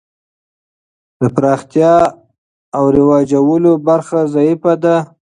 د پراختیا او رواجول برخه ضعیفه ده.